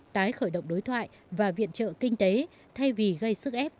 tái khởi động đối thoại và viện trợ kinh tế thay vì gây sức ép